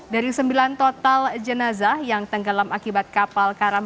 dari sembilan total jenazah yang tenggelam akibat kapal karam